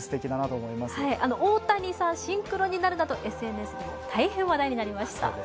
大谷さん、シンクロになるとＳＮＳでも大変話題になりました。